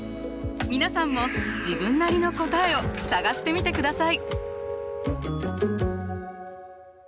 皆さんも自分なりの答えを探してみてください。